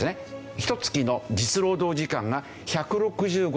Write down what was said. ひと月の実労働時間が１６５時間平均が。